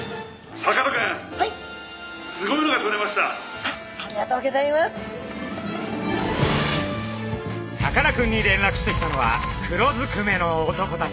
さかなクンに連絡してきたのは黒ずくめの男たち。